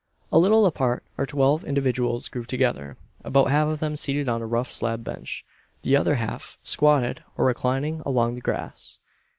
A little apart are twelve individuals grouped together; about half of them seated on a rough slab bench, the other half "squatted" or reclining along the grass.